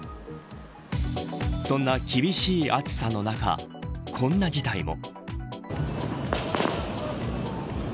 そんな厳しい暑さの中こんな事態も。